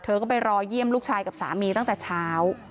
เธอก็ไปรอเยี่ยมลูกชายกับสามีตั้งแต่เช้า